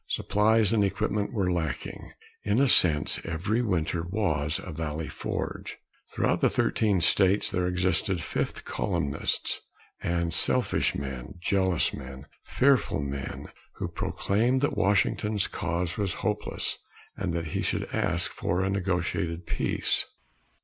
Supplies and equipment were lacking. In a sense, every winter was a Valley Forge. Throughout the thirteen states there existed fifth columnists and selfish men, jealous men, fearful men, who proclaimed that Washington's cause was hopeless, and that he should ask for a negotiated peace.